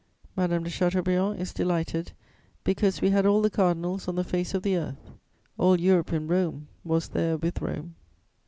Madame de Chateaubriand is delighted, because we had all the cardinals on the face of the earth. All Europe in Rome was there with Rome.